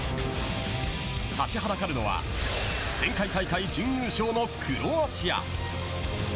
立ちはだかるのは前回大会、準優勝のクロアチア。